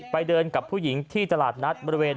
ไปเดินกับผู้หญิงที่ตลาดนัดบริเวณ